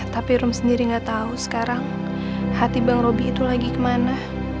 tapi rum sendiri gak tahu sekarang hati bang roby itu lagi kemana